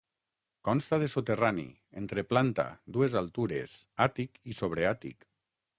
Consta de soterrani, entreplanta, dues altures, àtic i sobreàtic.